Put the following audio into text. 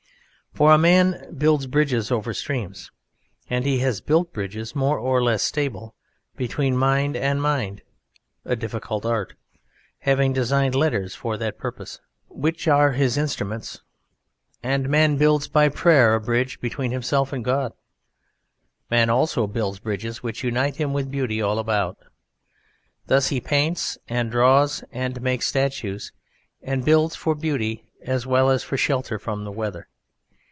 For man builds bridges over streams, and he has built bridges more or less stable between mind and mind (a difficult art!), having designed letters for that purpose, which are his instrument; and man builds by prayer a bridge between himself and God; man also builds bridges which unite him with Beauty all about. Thus he paints and draws and makes statues, and builds for beauty as well as for shelter from the weather.